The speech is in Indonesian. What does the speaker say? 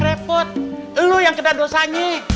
repot lo yang kena dosanya